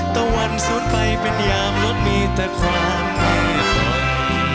ตะวันสวนไปเป็นยามลดมีแต่ความไม่ทน